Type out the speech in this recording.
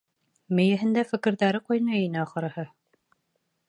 Мейеһендә фекерҙәре ҡайнай ине, ахырыһы.